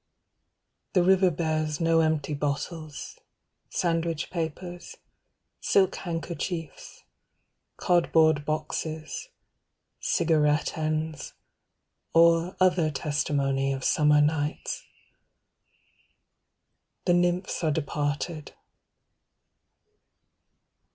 The river bears no empty bottles, sandwich papers, Silk handkerchiefs, cardboard boxes, cigarette ends Or other testimony of summer nights. The nymphs are departed.